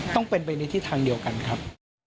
ต้องเป็นไปในทิศทางเดียวกันครับ